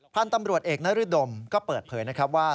พันธุ์ตำรวจเอกนรศดมก็เปิดเผยว่า